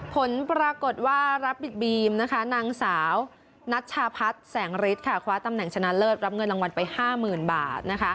ผลปรากฏว่ารับบิกบีมนางสาวนัชชาพัฒน์แสงฤทธิ์คว้าตำแหน่งชนะเลิศรับเงินรางวัลไป๕๐๐๐บาท